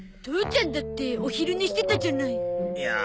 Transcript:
父ちゃんだってお昼寝してたじゃない。